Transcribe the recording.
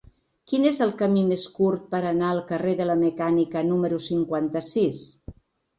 Quin és el camí més curt per anar al carrer de la Mecànica número cinquanta-sis?